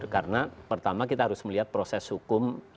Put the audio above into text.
dengan kasus hukum